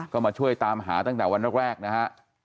ก็มาช่วยตามหาตั้งแต่วันแรกนะฮะ